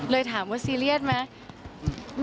เลยถามว่าซีเรียสไหม